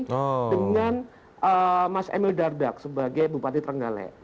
dengan mas emil dardak sebagai bupati trenggale